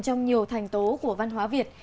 trong nhiều thành tố của văn hóa việt